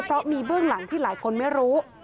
เพราะมีเบื้องหลังที่หลายคนไม่รู้